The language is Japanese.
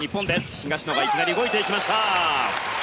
東野がいきなり動いていきました！